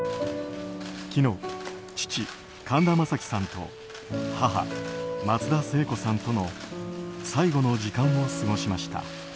昨日、父・神田正輝さんと母・松田聖子さんとの最後の時間を過ごしました。